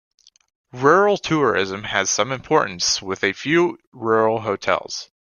Rural tourism has some importance with a few rural hotels.